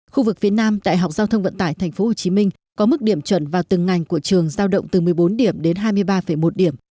khu vực phía nam đại học giao thông vận tải tp hcm có mức điểm chuẩn vào từng ngành của trường giao động từ một mươi bốn điểm đến hai mươi ba một điểm